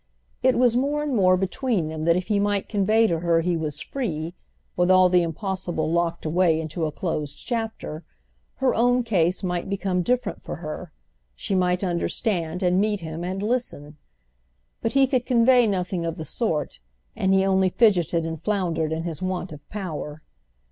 It was more and more between them that if he might convey to her he was free, with all the impossible locked away into a closed chapter, her own case might become different for her, she might understand and meet him and listen. But he could convey nothing of the sort, and he only fidgeted and floundered in his want of power.